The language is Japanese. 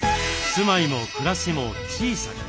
住まいも暮らしも小さく。